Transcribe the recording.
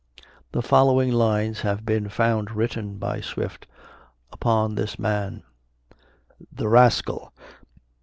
The following lines have been found written by Swift upon this man: The rascal!